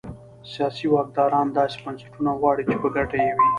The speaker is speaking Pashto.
سیاسي واکداران داسې بنسټونه غواړي چې په ګټه یې وي.